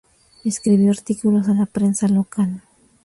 Escribió artículos a la prensa local.